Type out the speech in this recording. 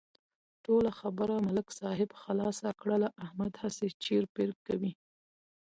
ټوله خبره ملک صاحب خلاصه کړله، احمد هسې چېړ پېړ کوي.